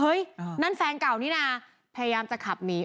นั่นแฟนเก่านี่นะพยายามจะขับหนี